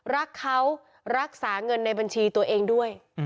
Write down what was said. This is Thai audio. รักเขารักษาเงินในบัญชีตัวเองด้วย